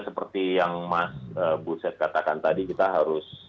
seperti yang mas buset katakan tadi kita harus